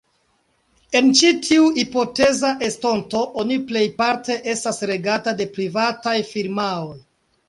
En ĉi tiu hipoteza estonto oni plejparte estas regata de privataj firmaoj.